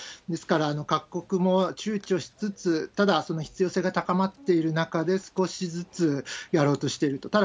ですから、各国もちゅうちょしつつ、ただ、その必要性が高まっている中で少しずつやろうとしていると。